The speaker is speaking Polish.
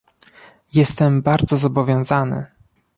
jestem bardzo zobowiązany